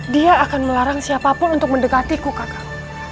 dia akan melarang siapapun untuk mendekatiku kakak